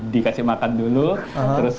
dikasih makan dulu terus